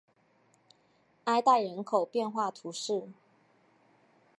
埃代人口变化图示